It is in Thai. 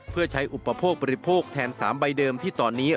เพื่อใช้อุปโภคบริโภคแทน๓ใบเดิมที่ตอนนี้